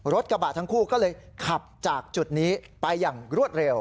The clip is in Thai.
รถกระบะทั้งคู่ก็เลยขับจากจุดนี้ไปอย่างรวดเร็ว